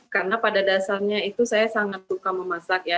karena pada dasarnya itu saya sangat suka memasak ya